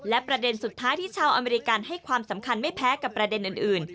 และประเด็นสุดท้ายที่ชาวอเมริกันให้ความสำคัญไม่แพ้กับประเด็นอื่น